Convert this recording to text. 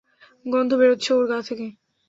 গন্ধ বেরোচ্ছে ওর গা থেকে।